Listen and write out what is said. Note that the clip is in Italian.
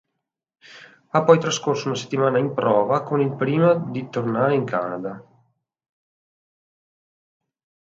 Ha poi trascorso una settimana in prova con il prima di tornare in Canada.